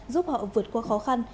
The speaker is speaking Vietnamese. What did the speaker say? giúp họ vượt qua khó khăn